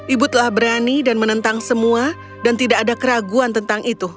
ibu telah berani dan menentang semua dan tidak ada keraguan tentang itu